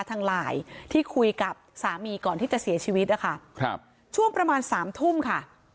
ทางไลน์ที่คุยกับสามีก่อนที่จะเสียชีวิตนะคะครับช่วงประมาณสามทุ่มค่ะ